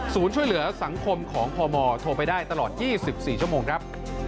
ช่วยเหลือสังคมของพมโทรไปได้ตลอด๒๔ชั่วโมงครับ